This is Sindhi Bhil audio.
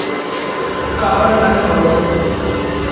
ڪآوڙ نا ڪرو۔